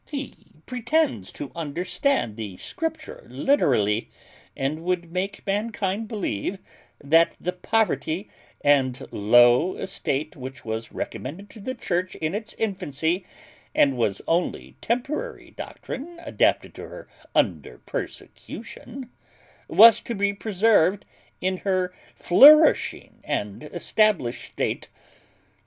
He pretends to understand the Scripture literally; and would make mankind believe that the poverty and low estate which was recommended to the Church in its infancy, and was only temporary doctrine adapted to her under persecution, was to be preserved in her flourishing and established state.